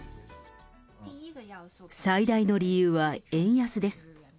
最大の理由は円安です。